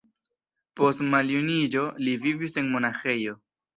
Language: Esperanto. Post maljuniĝo li vivis en monaĥejo.